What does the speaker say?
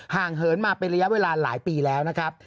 เหินมาเป็นระยะเวลาหลายปีแล้วนะครับ